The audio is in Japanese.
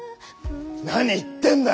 何言ってんだ。